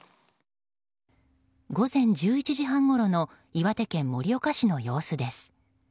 午前１１時半ごろの岩手県盛岡市の様子です。